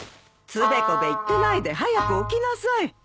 つべこべ言ってないで早く起きなさい。